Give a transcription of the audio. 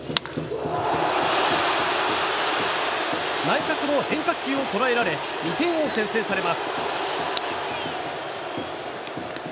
内角の変化球を捉えられ２点を先制されます。